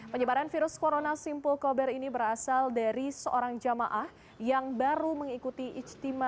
penyebaran virus corona simpul kober ini berasal dari seorang jamaah yang baru mengikuti ijtima